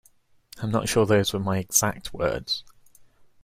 I'm not sure those were my exact words.